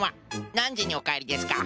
なんじにおかえりですか？